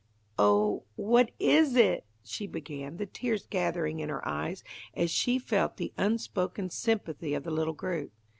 "Oh, what is it?" she began, the tears gathering in her eyes as she felt the unspoken, sympathy of the little group.